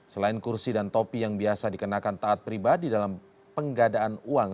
selain kursi dan topi yang biasa dikenakan taat pribadi dalam penggadaan uang